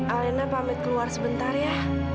alena pamit keluar sebentar ya